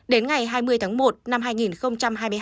đến ngày hai mươi tháng một năm hai nghìn hai mươi hai